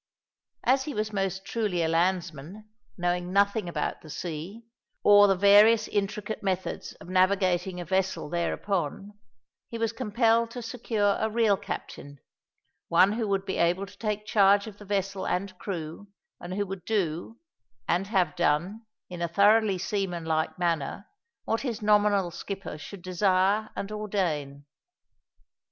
As he was most truly a landsman, knowing nothing about the sea or the various intricate methods of navigating a vessel thereupon, he was compelled to secure a real captain one who would be able to take charge of the vessel and crew, and who would do, and have done, in a thoroughly seamanlike manner, what his nominal skipper should desire and ordain.